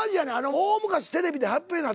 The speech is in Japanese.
大昔テレビで発表になってん。